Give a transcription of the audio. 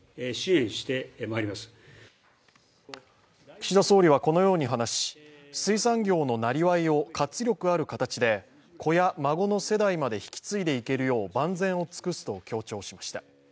岸田総理はこのように話し、水産業のなりわいを活力ある形で子や孫の世代まで引き継いでいけるよう万全を尽くすと強調しました。